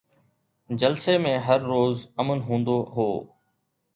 جلسي ۾ هر روز امن هوندو هو